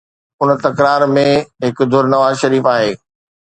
ان تڪرار ۾ هڪ ڌر نواز شريف آهي